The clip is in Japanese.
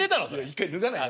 一回脱がないと。